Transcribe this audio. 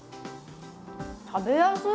食べやすい！